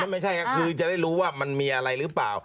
ไม่ใช่ครับคือจะได้รู้ว่ามันมีอะไรหรือเปล่า